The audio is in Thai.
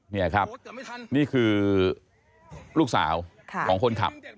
นี่ครับนี่คือลูกสาวของคนขับ